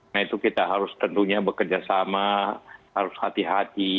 nah itu kita harus tentunya bekerjasama harus hati hati